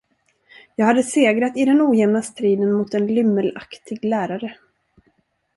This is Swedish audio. Jag hade segrat i den ojämna striden mot en lymmelaktig lärare.